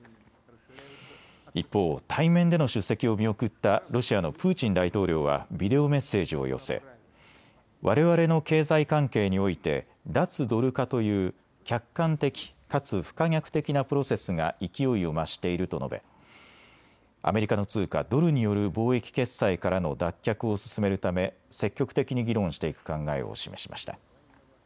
一方、対面での出席を見送ったロシアのプーチン大統領はビデオメッセージを寄せわれわれの経済関係において脱ドル化という客観的かつ不可逆的なプロセスが勢いを増していると述べアメリカの通貨、ドルによる貿易決済からの脱却を進めるため積極的に議論していく考えを示しました。